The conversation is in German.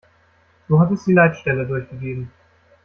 So hat es die Leitstelle durchgegeben.